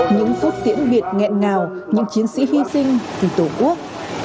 những phút tiễn việt nghẹn ngào những chiến sĩ hy sinh vì tổ quốc